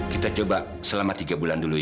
kita coba selama tiga bulan dulu